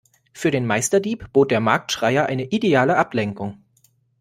Für den Meisterdieb bot der Marktschreier eine ideale Ablenkung.